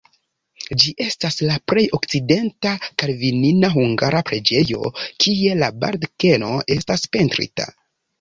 Ĝi estas la plej okcidenta kalvinana hungara preĝejo, kie la baldakeno estas pentrita.